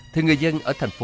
thì người dân ở thành phố